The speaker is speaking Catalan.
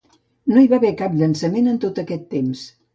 No hi va haver cap llançament en tot aquest temps.